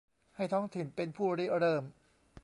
ให้ท้องถิ่นเป็นผู้ริเริ่ม